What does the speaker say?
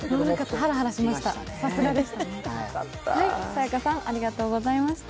ハラハラしました。